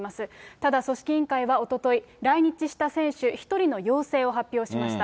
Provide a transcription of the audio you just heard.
ただ、組織委員会はおととい、来日した選手１人の陽性を発表しました。